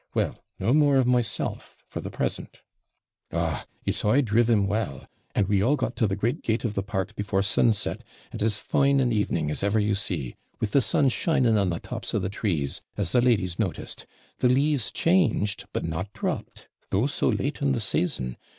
Well, no more of myself, for the present. Ogh, it's I driv 'em well; and we all got to the great gate of the park before sunset, and as fine an evening as ever you see; with the sun shining on the tops of the trees, as the ladies noticed; the leaves changed, but not dropped, though so late in the season.